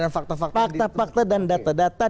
fakta fakta dan data data